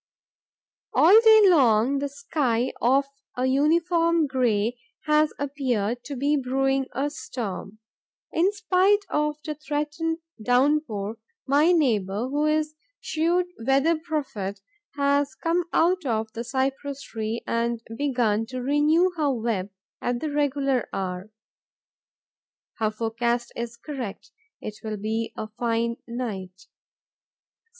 All day long, the sky, of a uniform grey, has appeared to be brewing a storm. In spite of the threatened downpour, my neighbour, who is a shrewd weather prophet, has come out of the cypress tree and begun to renew her web at the regular hour. Her forecast is correct: it will be a fine night.